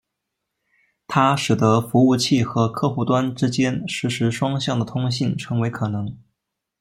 它使得服务器和客户端之间实时双向的通信成为可能。